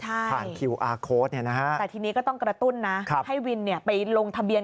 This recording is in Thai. ใช่แต่ทีนี้ก็ต้องกระตุ้นนะให้วินไปลงทะเบียน